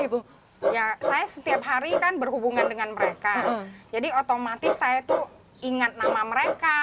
ibu ya saya setiap hari kan berhubungan dengan mereka jadi otomatis saya tuh ingat nama mereka